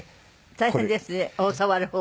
大変ですね教わる方は。